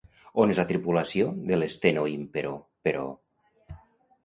On és la tripulació de l'Steno Impero, però?